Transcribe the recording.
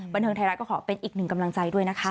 บันเทิงไทยรัฐก็ขอเป็นอีกหนึ่งกำลังใจด้วยนะคะ